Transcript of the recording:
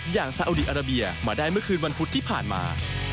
ซาอุดีอาราเบียมาได้เมื่อคืนวันพุธที่ผ่านมา